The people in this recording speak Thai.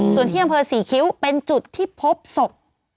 ส่วนที่อำเภอศรีคิ้วเป็นจุดที่พบศพ